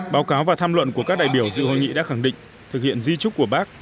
báo cáo và tham luận của các đại biểu dự hội nghị đã khẳng định thực hiện di trúc của bác